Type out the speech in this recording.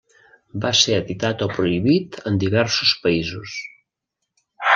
Va ser editat o prohibit en diversos països.